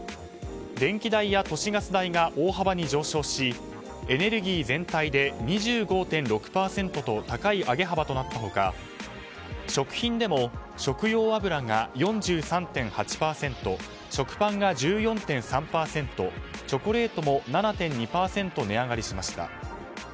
電気代や都市ガス代が大幅に上昇しエネルギー全体で２５．６％と高い上げ幅となった他食品でも、食用油が４３．８％食パンが１４．３％チョコレートも７．２％値上がりしました。